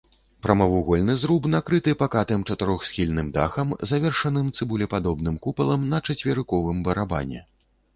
Прамавугольны зруб накрыты пакатым чатырохсхільным дахам, завершаным цыбулепадобным купалам на чацверыковым барабане.